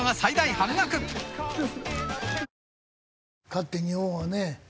かつて日本はね